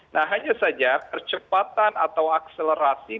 nah hanya saja percepatan atau akselerasi